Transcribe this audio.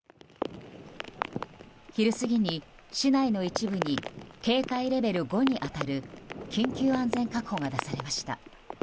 昼過ぎに市内の一部に警戒レベル５に当たる緊急安全確保が出されました。